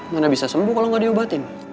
mana bisa sembuh kalo ga diobatin